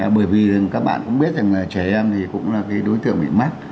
bởi vì các bạn cũng biết rằng trẻ em thì cũng là đối tượng bị mắc